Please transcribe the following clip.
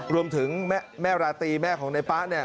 รวมถึงแม่ราตีแม่ของนายป๊า